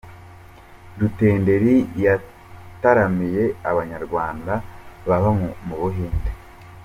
Rutenderi yataramiye Abanyarwanda baba mu Buhinde